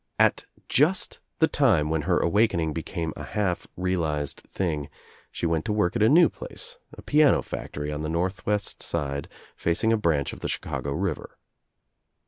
At just the j time when her awakening became a half realized | thing she went to work at a new place, a piano fac I tory on the Northwest Side facing a branch of the Chicago River.